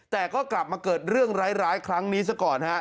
แต่ก็กลับมาเกิดเรื่องร้ายครั้งนี้ซะก่อนฮะ